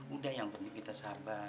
udah yang penting kita sabar